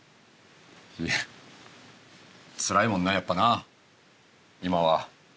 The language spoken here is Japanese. いやつらいもんなやっぱな今は。